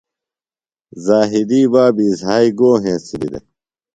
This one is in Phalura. ذاہدی بابی زھائی گو ہنسِلیۡ دےۡ؟